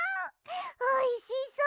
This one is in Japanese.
おいしそう！